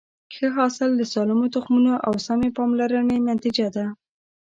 ښه حاصل د سالمو تخمونو او سمې پاملرنې نتیجه ده.